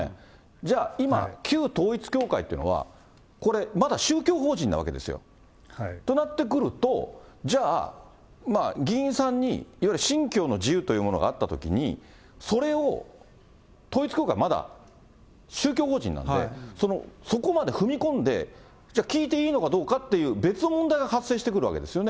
じゃあ、今、旧統一教会っていうのは、これまだ宗教法人なわけですよ。となってくると、じゃあ、議員さんにいわゆる信教の自由というものがあったときに、それを統一教会まだ宗教法人なんで、そこまで踏み込んで、じゃあ、聞いていいのかどうかっていう、別の問題が発生してくるわけですよね。